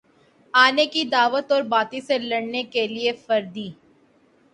آنے کی دعوت اور باطل سے لڑنے کے لیے فردی